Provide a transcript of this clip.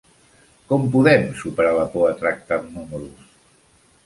Com podem superar la por a tractar amb números?